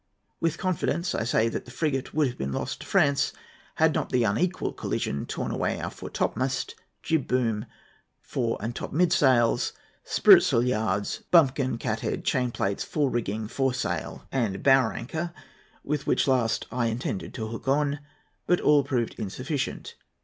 With confidence I say that the frigate would have been lost to France, had not the unequal collision torn away our fore topmast, jib boom, fore and maintop sails, spritsail yards, bumpkin, cathead, chainplates, fore rigging, foresail, and bower anchor, with which last I intended to hook on; but all proved insufficient.